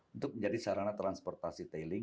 untuk menjadi sarana transportasi tailing